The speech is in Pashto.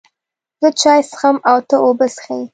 زه چای څښم او ته اوبه څښې